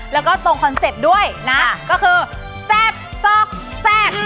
แล้วก็ตรงคอนเซ็ปต์ด้วยนะก็คือแซ่บซอกแซ่บ